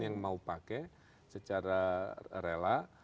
yang mau pakai secara rela